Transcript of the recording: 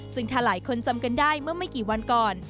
ซึ่งถ้าหลายคนจำกันได้เมื่อไม่กี่วันก่อน